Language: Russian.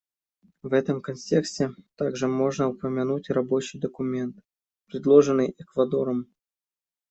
В этом контексте также можно упомянуть рабочий документ, предложенный Эквадором.